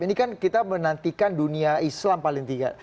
ini kan kita menantikan dunia islam paling tidak